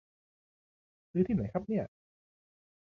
ซื้อที่ไหนครับเนี่ย